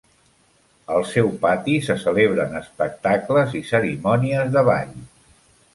Al seu pati se celebren espectacles i cerimònies de ball.